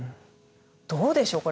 どうでしょう